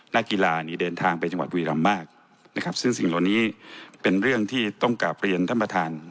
นักกีฬานี่เดินทางไปจังหวัดบุรีรำมากนะครับซึ่งสิ่งเหล่านี้เป็นเรื่องที่ต้องกลับเรียนท่านประธาน